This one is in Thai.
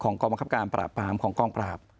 กองบังคับการปราบปรามของกองปราบ